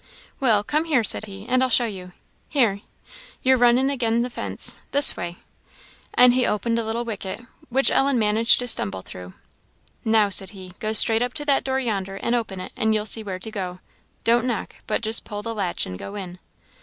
"Well, come here," said he, "and I'll show you. Here you're running agin the fence this way!" And he opened a little wicket, which Ellen managed to stumble through. "Now," said he, "go straight up to that door yonder, and open it, and you'll see where to go. Don't knock, but just pull the latch and go in."